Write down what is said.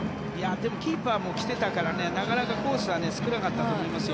でもキーパーも来てたからねなかなかコースは少なかったと思いますよ。